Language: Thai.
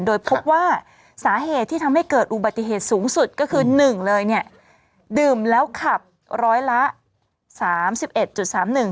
โดยพบว่าสาเหตุที่ทำให้เกิดอุบัติเหตุสูงสุดก็คือหนึ่งเลยเนี่ยดื่มแล้วขับร้อยละสามสิบเอ็ดจุดสามหนึ่ง